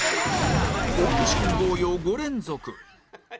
大西君同様５連続